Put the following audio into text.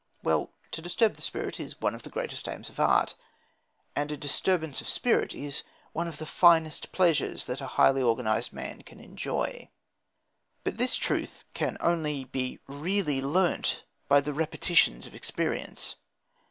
Well, to disturb the spirit is one of the greatest aims of art. And a disturbance of spirit is one of the finest pleasures that a highly organised man can enjoy. But this truth can only be really learnt by the repetitions of experience.